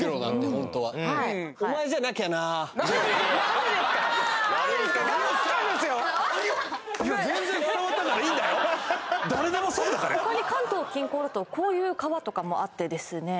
ほかに関東近郊だとこういう川とかもあってですね